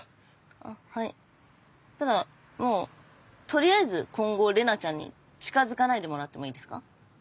あはいしたらもう取りあえず今後玲奈ちゃんに近づかないでもらってもいいですか？